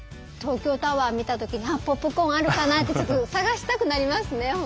東京タワー見た時に「あっポップコーンあるかな」ってちょっと探したくなりますね